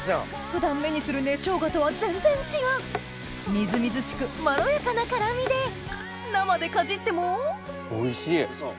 普段目にする根ショウガとは全然違うみずみずしくまろやかな辛みで生でかじってもおいしい！